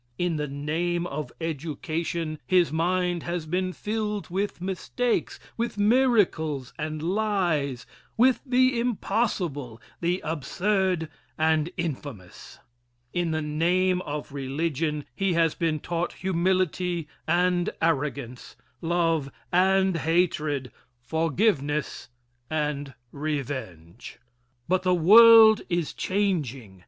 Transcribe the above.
In the name of education his mind has been filled with mistakes, with miracles, and lies, with the impossible, the absurd and infamous. In the name of religion he has been taught humility and arrogance, love and hatred, forgiveness and revenge. But the world is changing.